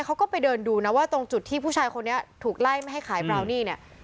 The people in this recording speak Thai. เขาก็ไปเดินดูนะว่าตรงจุดที่ผู้ชายคนนี้ถูกไล่ไม่ให้ขายบราวนี่เนี่ย